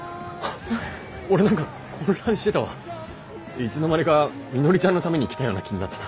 いつの間にかみのりちゃんのために来たような気になってた。